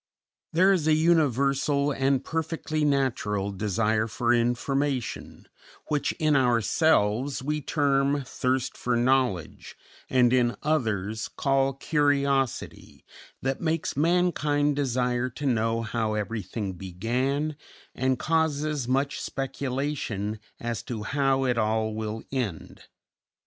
_" There is a universal, and perfectly natural, desire for information, which in ourselves we term thirst for knowledge and in others call curiosity, that makes mankind desire to know how everything began and causes much speculation as to how it all will end.